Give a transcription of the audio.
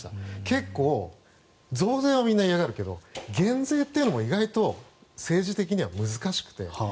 結構、増税はみんな嫌がるけど減税っていうのも意外と政治的には難しくて。